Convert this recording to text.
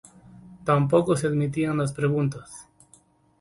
Tampoco se admitían las preguntas.